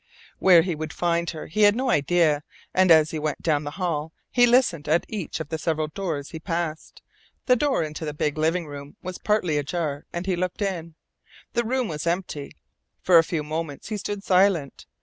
Where he would find her he had no idea, and as he went down the hall he listened at each of the several doors he passed. The door into the big living room was partly ajar, and he looked in. The room was empty. For a few moments he stood silent.